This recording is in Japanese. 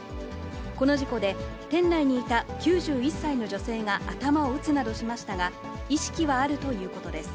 この事故で、店内にいた９１歳の女性が頭を打つなどしましたが、意識はあるということです。